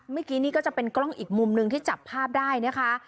เมื่อกี้นี่ก็จะเป็นกล้องอีกมุมหนึ่งที่จับภาพได้นะคะ